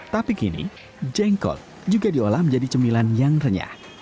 tapi kini jengkol juga diolah menjadi cemilan yang renyah